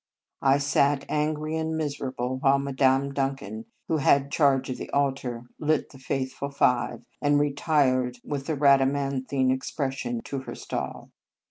I sat, angry and miserable, while Madame Duncan, who had charge of the altar, lit the faithful five, and re tired with a Rhadamanthine expres sion to her stall.